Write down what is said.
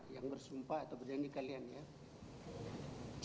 yang bersumpah atau berjanji kalian ya